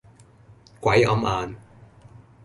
鬼揞眼